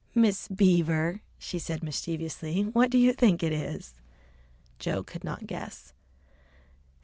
"Miss Beaver," she said mischievously. "What do you think it is?" Joe could not guess.